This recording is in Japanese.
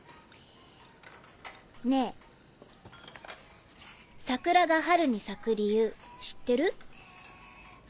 ねぇ桜が春に咲く理由知ってる？